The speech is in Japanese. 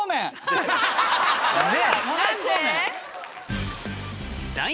何で？